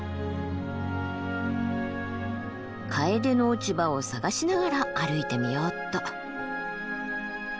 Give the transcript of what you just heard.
カエデの落ち葉を探しながら歩いてみようっと。